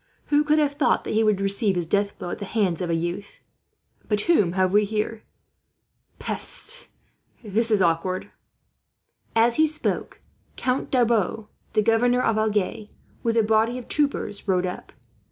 Who could have thought that he would receive his death blow at the hands of a youth? "But whom have we here? Peste! This is awkward." As he spoke, Count Darbois, the governor of Agen, with a body of troopers, rode up.